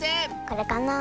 これかな？